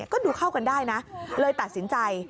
ก็ดูเข้ากันได้นะเลยตัดสินใจ